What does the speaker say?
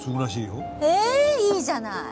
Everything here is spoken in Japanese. へえいいじゃない。